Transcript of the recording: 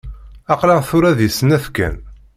Aql-aɣ tura di snat kan.